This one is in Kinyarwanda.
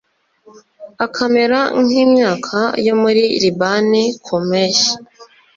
akamera nk'imyaka yo muri libani ku mpeshyi